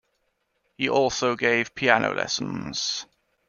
He also gave piano lessons.